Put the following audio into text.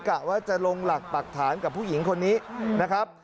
กะว่าจะลงหลักปรักฐานกับผู้หญิงคนนี้นะครับ